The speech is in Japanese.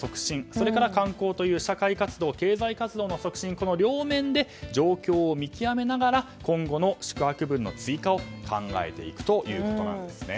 それから観光という社会活動・経済活動の促進の両面で状況を見極めながら今後の宿泊分の追加を考えていくということなんですね。